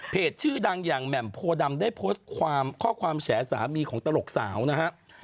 ชื่อดังอย่างแหม่มโพดำได้โพสต์ข้อความแฉสามีของตลกสาวนะครับ